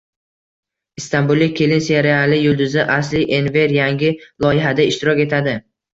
“Istanbullik kelin” seriali yulduzi Asli Enver yangi loyihada ishtirok etadi